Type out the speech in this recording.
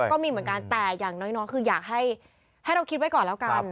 ก็มีเหมือนกันแต่อย่างน้อยคืออยากให้เราคิดไว้ก่อนแล้วกัน